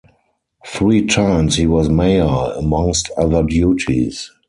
Three times he was mayor, amongst other duties.